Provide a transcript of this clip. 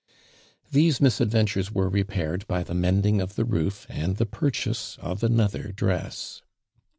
These misadv(>)itures wew repaired by the mending of the roof and the pur chase of another dress.